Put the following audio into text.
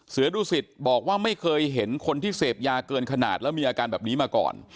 เสือดุสิตบอกว่าไม่เคยเห็นคนที่เสพยาเกินขนาดแล้วมีอาการแบบนี้มาก่อน